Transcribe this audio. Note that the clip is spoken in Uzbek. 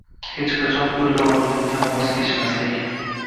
Hech qachon o‘z orzuingdan voz kechmaslik.